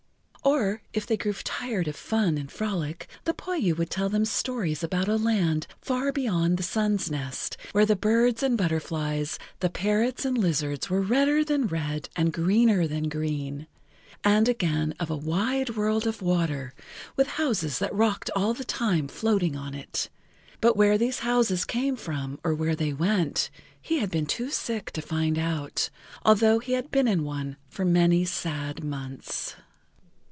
Or if they grew tired of fun and frolic the pouyou would tell them stories about a land far beyond the Sun's Nest, where the birds and butterflies, the parrots and lizards were redder than red and greener than green; and again of a wide world of water with houses that rocked all the time floating on it, but where these houses came from or where they went he had been too[Pg 15] sick to find out, although he had been in one for many sad months.